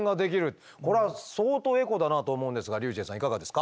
これは相当エコだなと思うんですがｒｙｕｃｈｅｌｌさんいかがですか？